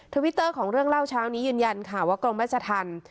ทวิตเตอร์ของเรื่องเล่าเช้านี้ยืนยันค่ะว่ากรมราชธรรม